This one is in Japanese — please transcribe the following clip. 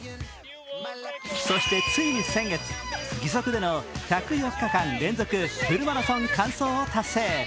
そしてついに先月義足での１０４日間連続フルマラソン完走を達成。